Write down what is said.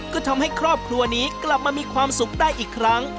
ก็ทำให้ครอบครัวนี้กลับมามีความสุขได้อีกครั้ง